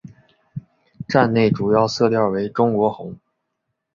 站内主要色调为中国红。